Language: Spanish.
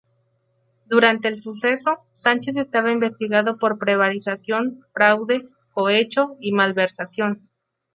Durante el suceso, Sánchez estaba investigado por prevaricación, fraude, cohecho y malversación.